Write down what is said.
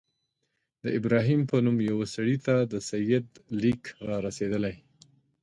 د ابراهیم په نوم یوه سړي ته د سید لیک را رسېدلی.